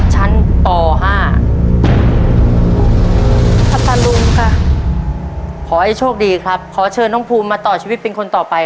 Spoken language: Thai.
ขอให้โชคดีครับขอเชิญน้องพูมมาต่อชีวิตเป็นคนต่อไป